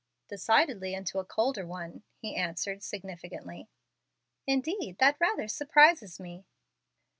"Decidedly into a colder one," he answered, significantly. "Indeed, that rather surprises me!"